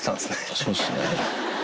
そうですね。